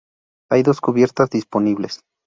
Hay dos cubiertas disponibles.